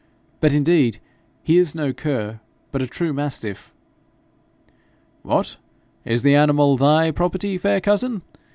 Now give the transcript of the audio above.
But, indeed, he is no cur, but a true mastiff.' 'What! is the animal thy property, fair cousin?